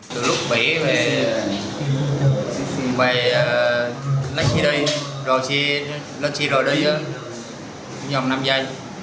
từ lúc bị lấy chi đây rồi chi lấy chi rồi đây nhầm năm giây